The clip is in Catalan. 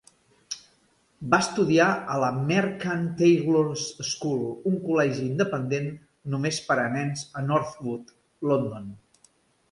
Va estudiar a la Merchant Taylors' School, un col·legi independent només per a nens a Northwood, London.